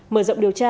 mở rộng điều tra